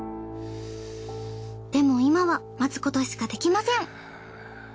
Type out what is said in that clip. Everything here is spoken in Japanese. でも今は待つことしかできません。